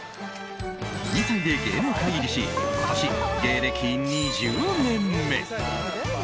２歳で芸能界入りし今年、芸歴２０年目。